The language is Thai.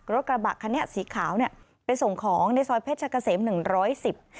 รถกระบะคันนี้สีขาวเนี้ยไปส่งของในซอยเพชรกะเสมหนึ่งร้อยสิบ